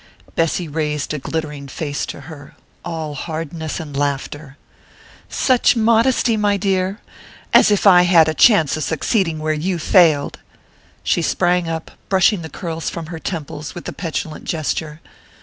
Bessy raised a glittering face to her all hardness and laughter. "Such modesty, my dear! As if I had a chance of succeeding where you failed!" She sprang up, brushing the curls from her temples with a petulant gesture.